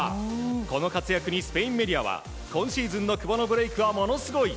この活躍にスペインメディアは今シーズンの久保のブレークはものすごい。